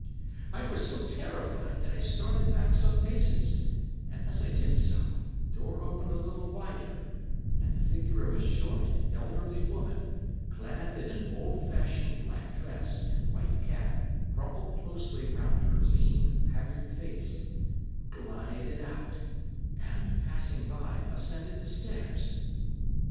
I was so terrified that I started back some paces, and, as I did so, the door opened a little wider, and the figure of a short, elderly woman, clad in an old fashioned black dress, and white cap crumpled closely round her lean, haggard face, glided out, and, passing by, ascended the stairs.